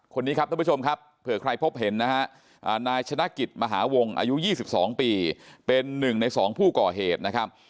คนนี้ครับท่านผู้ชมครับเผื่อใครพบเห็นนะฮะนายชนะกิจมหาวงอายุ๒๒ปีเป็น๑ใน๒ผู้ก่อเหตุนะครับ